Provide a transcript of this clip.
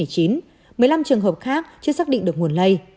một mươi năm trường hợp khác chưa xác định được nguồn lây